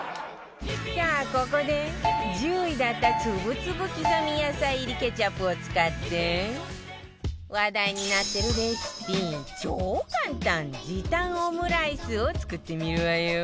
さあここで１０位だったつぶつぶ刻み野菜入りケチャップを使って話題になってるレシピ超簡単時短オムライスを作ってみるわよ